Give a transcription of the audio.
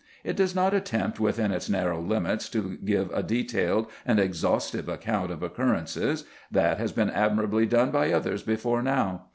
It does not attempt within its narrow limits to give a detailed and exhaustive account of occurrences; that has been admirably done by others before now.